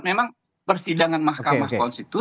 memang persidangan mahkamah konstitusi